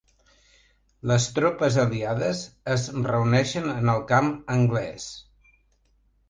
Les tropes aliades es reuneixen en el camp anglès.